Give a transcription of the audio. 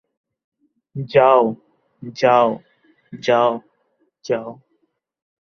যাও, যাও, যাও, যাও।